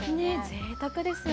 ぜいたくですよね。